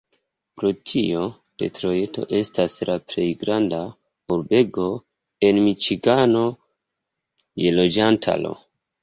Pro tio, Detrojto estas la plej granda urbego en Miĉigano je loĝantaro.